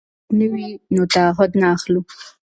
که هغوی موافق نه وي نو تعهد نه اخلو.